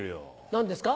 何ですか？